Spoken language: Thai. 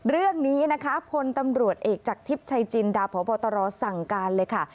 เรื่องนี้นะคะพลตำรวจเอกจากทิพย์ชัยจินดาพบตรสั่งการเลยค่ะ